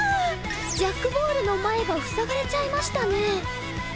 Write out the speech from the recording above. ジャックボールの前が塞がれちゃいましたねえ。